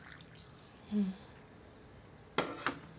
うん。